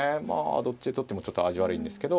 どっちで取ってもちょっと味悪いんですけど。